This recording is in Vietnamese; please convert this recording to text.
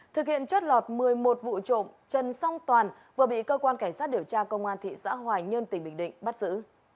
thực hiện trót lọt một mươi một vụ trộm trần song toàn vừa bị cơ quan cảnh sát điều tra công an thị xã hoài nhơn tỉnh bình định bắt giữ